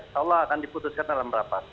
insya allah akan diputuskan dalam rapat